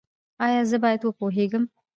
ایا زه باید وپوهیږم؟